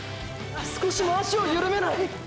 少しも足をゆるめない！！